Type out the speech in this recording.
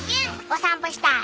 お散歩したい。